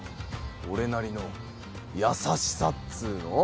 俺なりの優しさっつうの？